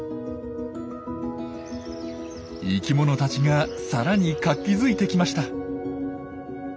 生きものたちがさらに活気づいてきました。